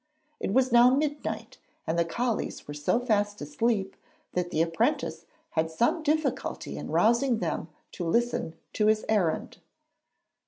It was now midnight, and the Colleys were so fast asleep that the apprentice had some difficulty in rousing them to listen to his errand.